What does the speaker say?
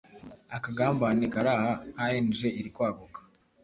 akagambane karaha a.n.g irikwaguka